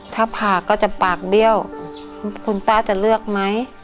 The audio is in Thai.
ถ้าผ่าก็จะปากเบี้ยวคุณป้าจะเลือกไหม